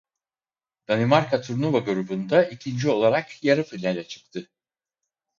Danimarka turnuva grubunda ikinci olarak yarı finale çıktı.